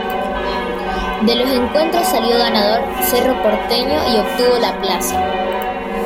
De los encuentros salió ganador Cerro Porteño y obtuvo la plaza.